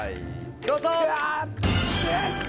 どうぞ！